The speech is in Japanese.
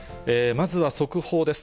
まずは速報です。